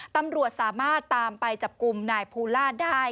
ตำรวจสามารถตามไปจับกลุ่มนายภูล่าได้